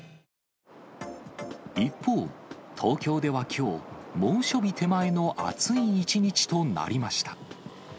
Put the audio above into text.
一方、東京ではきょう、猛暑日手前の暑い一日となりました。